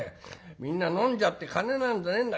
みんな飲んじゃって金なんざねえんだ。